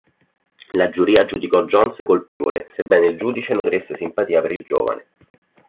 La giuria giudicò Jones colpevole, sebbene il giudice nutrisse simpatia per il giovane.